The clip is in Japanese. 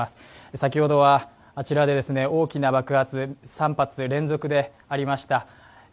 先ほどは、あちらで大きな爆発、３発連続でありました。